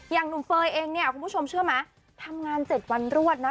หนุ่มเฟย์เองเนี่ยคุณผู้ชมเชื่อไหมทำงาน๗วันรวดนะ